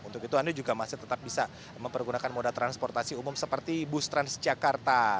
untuk itu anda juga masih tetap bisa mempergunakan moda transportasi umum seperti bus transjakarta